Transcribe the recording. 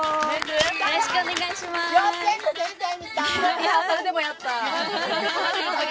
よろしくお願いします。